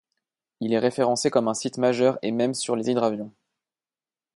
Il est référencé comme un site majeur et même sur les hydravions.